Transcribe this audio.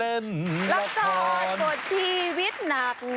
รับจอดบทชีวิตหนัก